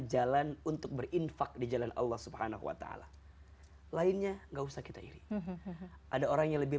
jalan untuk berinfak di jalan allah swt lainnya enggak usah kita iri ada orang yang lebih